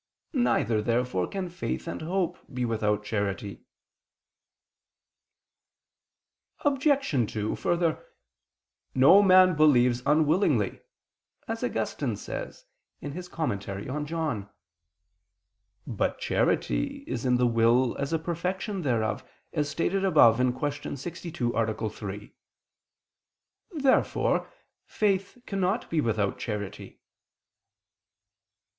Neither therefore can faith and hope be without charity. Obj. 2: Further, "no man believes unwillingly" as Augustine says (Tract. xxvi in Joan.). But charity is in the will as a perfection thereof, as stated above (Q. 62, A. 3). Therefore faith cannot be without charity.